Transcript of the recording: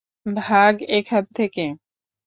ভাগ, এখান থেকে।